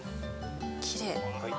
きれい。